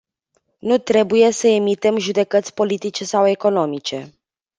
Nu trebuie să emitem judecăți politice sau economice.